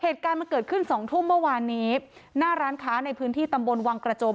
เหตุการณ์มันเกิดขึ้นสองทุ่มเมื่อวานนี้หน้าร้านค้าในพื้นที่ตำบลวังกระจม